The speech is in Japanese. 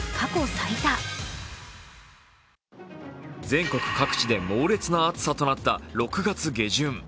全国各地で猛烈な暑さとなった６月下旬。